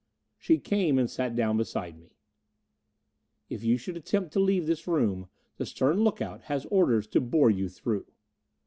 She came and sat down beside me. "If you should attempt to leave this room, the stern look out has orders to bore you through."